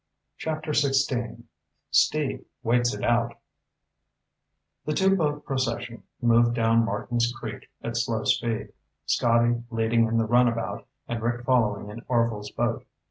CHAPTER XVI Steve Waits It Out The two boat procession moved down Martins Creek at slow speed, Scotty leading in the runabout and Rick following in Orvil's boat.